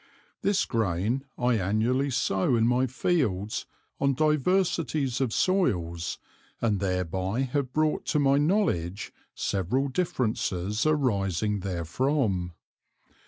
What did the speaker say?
This Grain I annually sow in my Fields on diversities of Soils, and thereby have brought to my knowledge several differences arising therefrom.